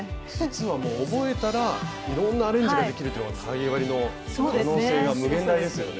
実はもう覚えたらいろんなアレンジができるっていうのはかぎ針の可能性が無限大ですよね。